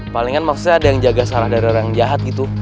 palingan maksudnya ada yang jaga salah dari orang jahat gitu